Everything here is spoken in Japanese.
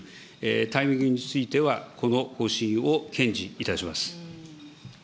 タイミングについてはこの方針を堅持いたします。